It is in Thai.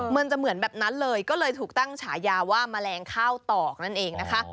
มันจะเหมือนแบบนั้นเลยก็เลยถูกตั้งฉายาว่าแมลงข้าวตอกนั่นเองนะคะ